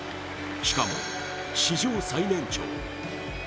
しかも、史上最年長。